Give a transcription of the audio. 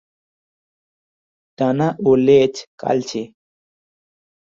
ডানা ও লেজ কালচে।